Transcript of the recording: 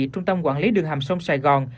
trung tâm quản lý đường hàm sông sài gòn